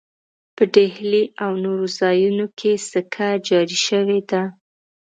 په ډهلي او نورو ځایونو کې سکه جاري شوې ده.